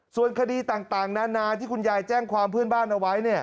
ส่วนคดีต่างนานาที่คุณยายแจ้งความเพื่อนบ้านเอาไว้